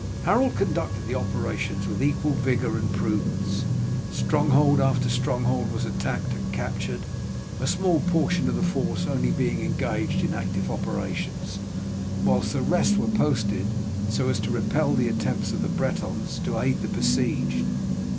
Harold conducted the operations with equal vigour and prudence. Stronghold after stronghold was attacked and captured, a small portion of the force only being engaged in active operations, whilst the rest were posted so as to repel the attempts of the Bretons to aid the besieged.